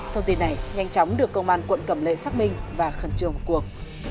thông tin này nhanh chóng được công an quận cầm lệ xác minh và khẩn trương cuộc